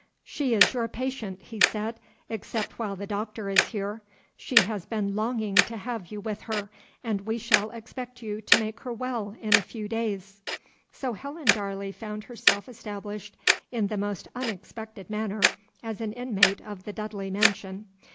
"She is your patient," he said, "except while the Doctor is here. She has been longing to have you with her, and we shall expect you to make her well in a few days." So Helen Darley found herself established in the most unexpected manner as an inmate of the Dudley mansion.